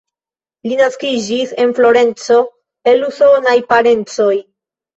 Li naskiĝis en Florenco el usonaj parencoj.